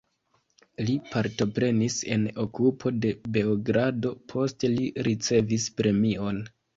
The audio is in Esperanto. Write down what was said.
Li partoprenis en okupo de Beogrado, poste li ricevis premion.